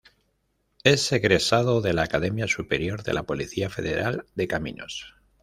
Es egresado de la Academia Superior de la Policía Federal de Caminos.